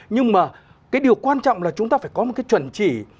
nhưng mà cái điều quan trọng là chúng ta phải có một cái chuẩn chỉ